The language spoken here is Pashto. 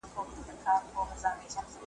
په ټول اوجود دې زلزله ده لږ په ورو غږیږه!